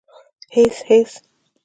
_هېڅ ، هېڅ.